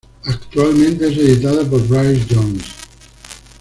Actualmente es editado por Bryce Johns.